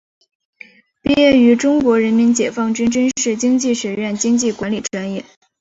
毕业于中国人民解放军军事经济学院经济管理专业。